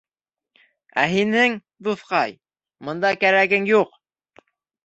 Ә һинең, дуҫҡай, бында кәрәгең юҡ.